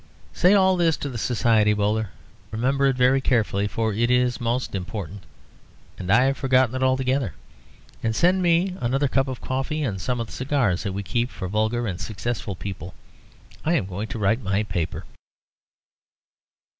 "' Say all this to the Society, Bowler. Remember it very carefully, for it is most important, and I have forgotten it altogether, and send me another cup of coffee and some of the cigars that we keep for vulgar and successful people. I am going to write my paper."